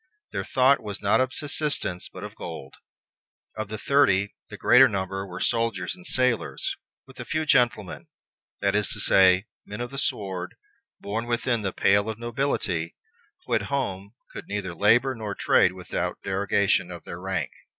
Their thought was not of subsistence, but of gold. Of the thirty, the greater number were soldiers and sailors, with a few gentlemen; that is to say, men of the sword, born within the pale of nobility, who at home could neither labor nor trade without derogation from their rank.